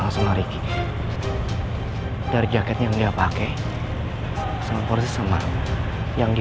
anda berpikir bapak tersebut pernah sangat cantik dengan alexandraardi